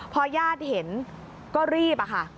พอย่าดเห็นก็รีบค่ะ